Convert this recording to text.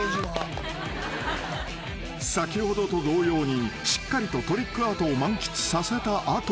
［先ほどと同様にしっかりとトリックアートを満喫させた後］